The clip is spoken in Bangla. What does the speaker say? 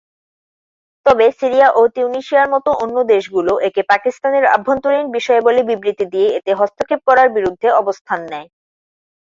তবে, সিরিয়া ও তিউনিসিয়ার মত অন্য দেশগুলো একে পাকিস্তানের আভ্যন্তরীণ বিষয় বলে বিবৃতি দিয়ে এতে হস্তক্ষেপ করার বিরুদ্ধে অবস্থান নেয়।